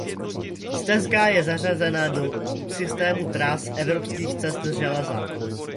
Stezka je zařazena do systému tras Evropských cest železa.